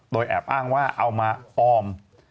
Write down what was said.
โดยแอบอ้างว่าเอามาออม